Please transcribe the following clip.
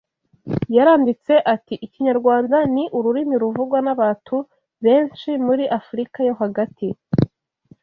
Yaranditse ati Ikinyarwanda ni ururimi ruvugwa n’abatu benshi muri Afurika yo hagati